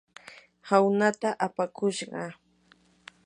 hawnaata apakushqa.